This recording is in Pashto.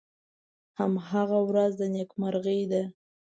هماغه ورځ د نیکمرغۍ ده .